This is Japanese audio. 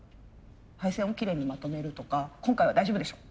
配線をきれいにまとめるとか今回は大丈夫でしょ！